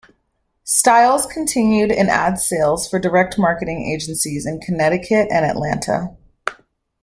Styles continued in ad sales for direct marketing agencies in Connecticut and Atlanta.